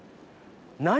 何？